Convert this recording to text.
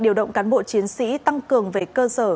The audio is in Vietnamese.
điều động cán bộ chiến sĩ tăng cường vệ cơ sở